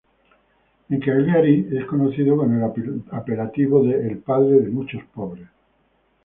En Cagliari es conocido con el apelativo de "el padre de muchos pobres".